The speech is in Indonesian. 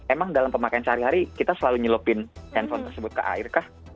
emang dalam pemakaian sehari hari kita selalu nyelupin handphone tersebut ke air kah